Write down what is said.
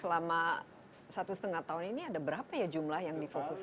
kalau di total ada selama satu setengah tahun ini ada berapa ya jumlah yang difokus